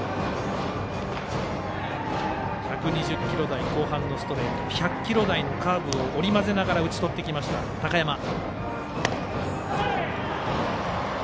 １２０キロ台後半のストレート１００キロ台のカーブを織り交ぜながら打ち取ってきました、高山。